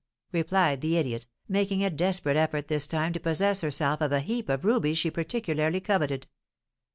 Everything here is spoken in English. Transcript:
replied the idiot, making a desperate effort this time to possess herself of a heap of rubies she particularly coveted.